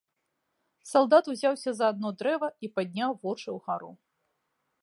Салдат узяўся за адно дрэва і падняў вочы ўгару.